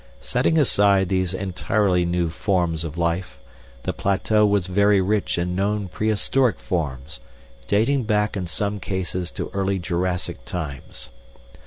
Setting aside these entirely new forms of life, the plateau was very rich in known prehistoric forms, dating back in some cases to early Jurassic times.